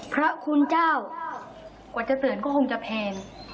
พระคุณเจ้ากว่าจะเตือนก็คงจะแพง